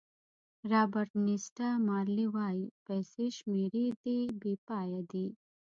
رابرټ نیسټه مارلې وایي پیسې شمېرې دي بې پایه دي.